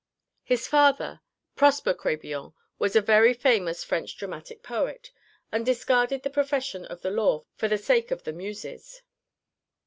His father, Prosper Crébillon, was a very famous French dramatic poet, and discarded the profession of the law for the sake of the Muses.